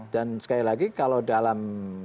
dan sekali lagi kalau dalam